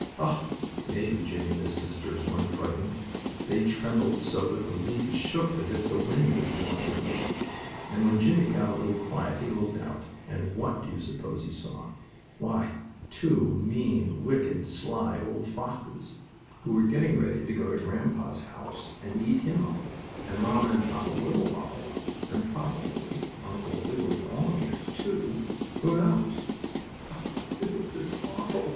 Oh, maybe Jimmie and his sisters weren't frightened. They trembled so that the leaves shook as if the wind was blowing them, and when Jimmie got a little quiet he looked out, and what do you suppose he saw? Why two mean, wicked, sly old foxes, who were getting ready to go to grandpa's house and eat him up, and Mamma and Papa Wibblewobble up, and probably Uncle Wiggily Longears, too; who knows? "Oh, isn't this awful?"